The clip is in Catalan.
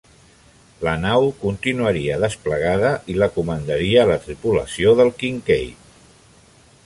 La nau continuaria desplegada i la comandaria la tripulació del "Kinkaid".